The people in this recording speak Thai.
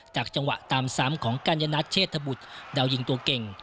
จากจังหวะตามสามของกัญญัติเชษฐบุตรดาวยิงตัวเก่ง